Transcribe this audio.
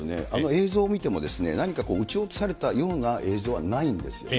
映像を見ても、何か撃ち落されたような映像はないんですよね。